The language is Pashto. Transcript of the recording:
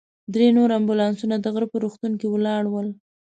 درې نور امبولانسونه د غره په روغتون کې ولاړ ول.